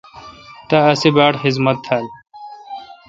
تا اسی باڑ خذمت تھال۔